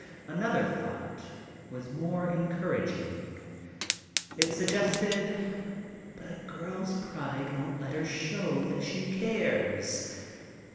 Another thought was more encouraging. It suggested, "But a girl's pride won't let her show that she cares.